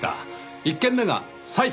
１件目が埼玉。